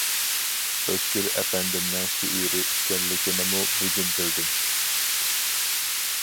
ئۆتكۈر ئەپەندىمنىڭ شېئىرى ئىكەنلىكىنىمۇ بۈگۈن بىلدىم.